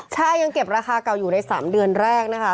ใช่ยังเก็บราคาเก่าอยู่ใน๓เดือนแรกนะคะ